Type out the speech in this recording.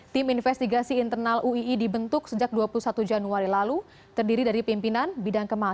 tim investigasi internal uii dibentuk sejak dua puluh satu januari lalu terdiri dari pimpinan bidang kemas